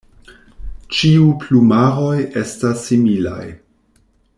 Ĉiu plumaroj estas similaj.